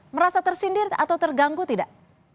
merasa tersindir atau terganggu tidak